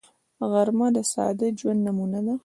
غرمه د ساده ژوند نمونه ده